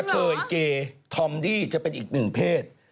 เทยเกธอมดี้จะเป็นอีกหนึ่งเพศ